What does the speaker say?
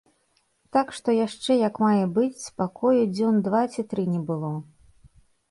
Так што яшчэ як мае быць спакою дзён два ці тры не было.